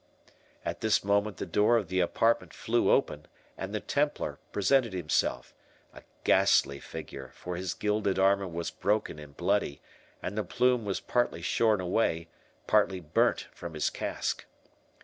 At this moment the door of the apartment flew open, and the Templar presented himself,—a ghastly figure, for his gilded armour was broken and bloody, and the plume was partly shorn away, partly burnt from his casque.